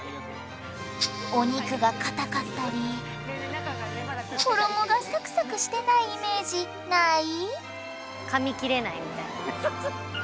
お肉が硬かったり衣がサクサクしてないイメージない？